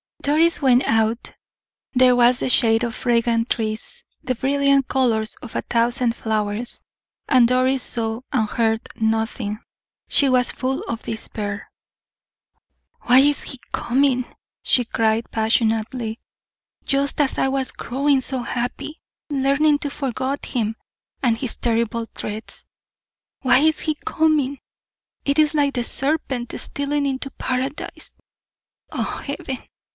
Doris went out. There was the shade of fragrant trees, the brilliant colors of a thousand flowers; and Doris saw and heard nothing she was full of despair. "Why is he coming," she cried, passionately, "just as I was growing so happy, learning to forgot him and his terrible threats why is he coming? It is like the serpent stealing into paradise. Ah, Heaven!